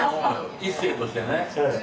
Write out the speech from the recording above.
一世としてね。